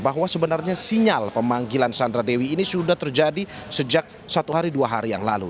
bahwa sebenarnya sinyal pemanggilan sandra dewi ini sudah terjadi sejak satu hari dua hari yang lalu